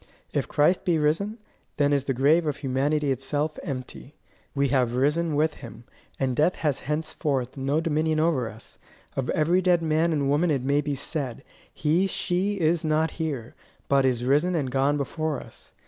If Christ be risen, then is the grave of humanity itself empty. We have risen with him, and death has henceforth no dominion over us. Of every dead man and woman it may be said: He she is not here, but is risen and gone before us.